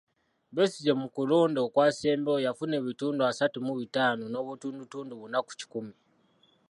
Besigye mu kulonda okwasembayo yafuna ebitundu asatu mu bitaano n’obutundutundu buna ku kikumi.